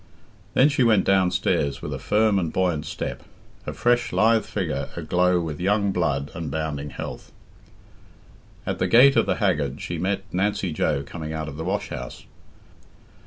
Then she went downstairs with a firm and buoyant step, her fresh lithe figure aglow with young blood and bounding health. At the gate of the "haggard" she met Nancy Joe coming out of the washhouse.